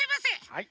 はい。